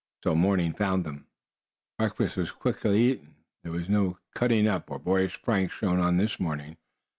So morning found them. Breakfast was quickly eaten. There was no "cutting up," or boyish pranks shown on this morning.